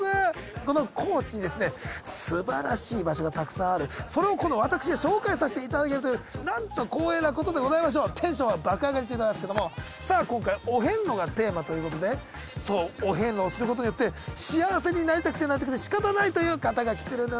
この高知にすばらしい場所がたくさんあるそれをこの私紹介させていただけるというなんと光栄なことでございましょうテンションは爆上がり中でございますけれどもさあお遍路をすることによって幸せになりたくてなりたくてしかたないという方が来ています